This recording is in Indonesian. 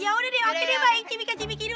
yaudah deh oke deh bayangin cimika cimikidu